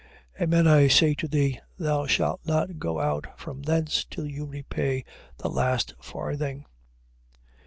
5:26. Amen I say to thee, thou shalt not go out from thence till thou repay the last farthing.